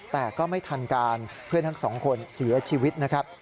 แต่ก็ไม่ทันการเพื่อนทั้งสองคนเสียชีวิตนะครับ